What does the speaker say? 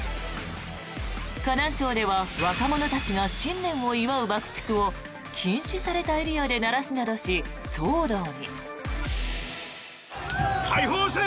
河南省では若者たちが新年を祝う爆竹を禁止されたエリアで鳴らすなどし騒動に。